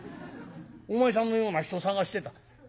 お前さんのような人を探してた。